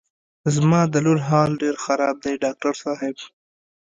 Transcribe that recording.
زما د لور حال ډېر خراب دی ډاکټر صاحب.